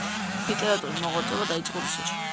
ლიტერატურული მოღვაწეობა დაიწყო რუსეთში.